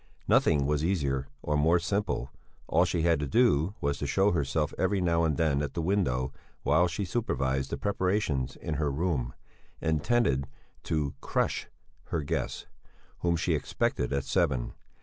Nothing was easier or more simple; all she had to do was to show herself every now and then at the window while she supervised the preparations in her room, intended to "crush" her guests, whom she expected at seven.